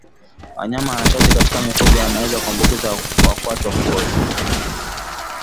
Wanyama wachache katika mifugo wanaweza kuambukizwa wa kwato kuoza